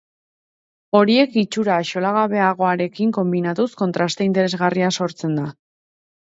Horiek itxura axolagabeagoarekin konbinatuz kontraste interesgarria sortzen da.